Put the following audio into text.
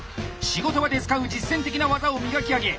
仕事場で使う実践的な技を磨き上げ